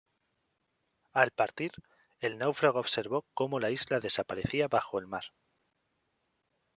Al partir, el náufrago observó cómo la isla desaparecía bajo el mar.